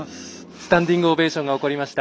スタンディングオベーションが起こりました。